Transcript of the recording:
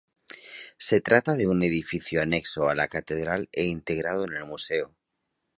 Se trata de un edificio anexo a la catedral e integrado en el Museo.